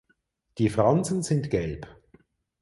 Die Fransen sind gelb.